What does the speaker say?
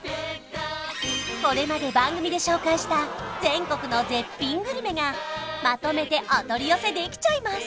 これまで番組で紹介した全国の絶品グルメがまとめてお取り寄せできちゃいます